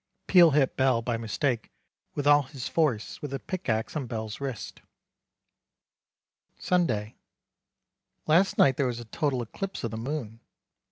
Peel hit Bell by mistake with all his force with the pic axe on Bell's wrist. Sunday. Last night their was a total eclipse of the moon.